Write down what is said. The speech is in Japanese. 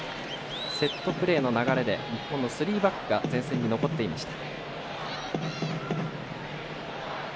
セットプレーの流れで日本の３バックが前線に残っていました。